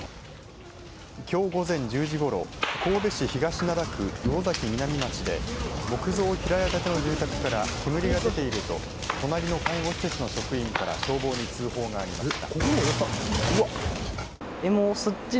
きょう午前１０時ごろ神戸市東灘区魚崎南町で木造平屋建ての住宅から煙が出ていると隣の介護施設の職員から消防に通報がありました。